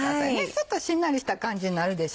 ちょっとしんなりした感じになるでしょ？